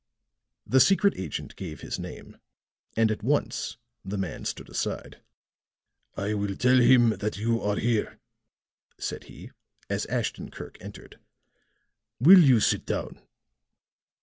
The secret agent gave his name, and at once the man stood aside. "I will tell him that you are here," said he, as Ashton Kirk entered. "Will you sit down?"